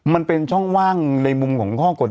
มันเป็นช่องว่างในมุมของ